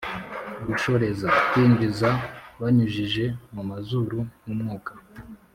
gushoreza : kwinjiza banyujije mu mazuru nk’umwuka.